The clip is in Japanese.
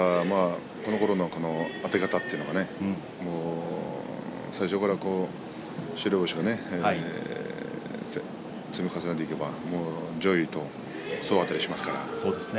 このころのあて方、最初から白星を積み重ねていけば上位と総あたりしますから。